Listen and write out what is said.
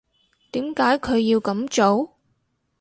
點解佢要噉做？